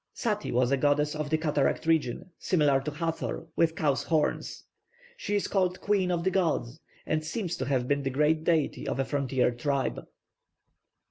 +Sati+ was a goddess of the cataract region, similar to Hathor, with cow's horns. She is called queen of the gods, and seems to have been the great deity of a frontier tribe.